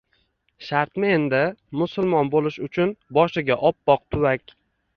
— Shartmi endi, musulmon bo‘lish uchun boshiga oppoq tuvak...